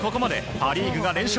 パ・リーグが連勝。